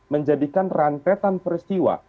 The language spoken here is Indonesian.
menjadikan rantetan peristiwa